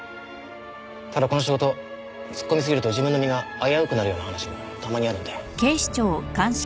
ただこの仕事突っ込みすぎると自分の身が危うくなるような話もたまにあるんで。